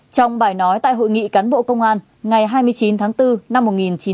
trong bài nói tại hội nghị cán bộ công an ngày hai mươi chín tháng bốn năm một nghìn chín trăm bảy mươi năm